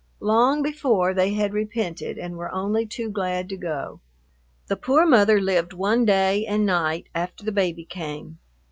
Long before, they had repented and were only too glad to go. The poor mother lived one day and night after the baby came.